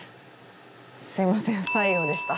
すみません不採用でした。